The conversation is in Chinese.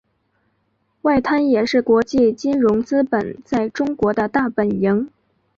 外滩也是国际金融资本在中国的大本营。